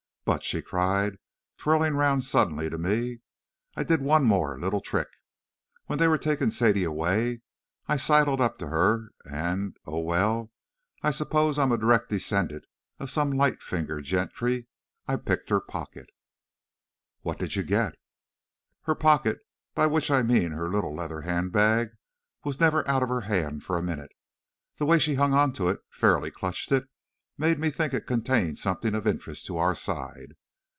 "But," she cried, twirling round suddenly to me, "I did do one more little trick! When they were taking Sadie away, I sidled up to her, and oh, well, I s'pose I am a direct descendant of some light fingered gentry, I picked her pocket!" "What did you get?" "Her pocket, by which I mean her little leather hand bag, was never out of her hand for a minute! The way she hung on to it, fairly clutched it, made me think it contained something of interest to our side.